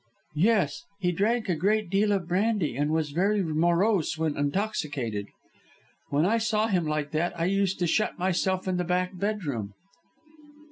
"Yes, he drank a great deal of brandy, and was very morose when intoxicated. When I saw him like that, I used to shut myself in the back bedroom."